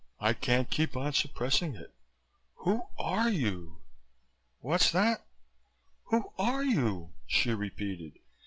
I can't keep on suppressing it. Who are you?" "What's that?" "Who are you?" she repeated.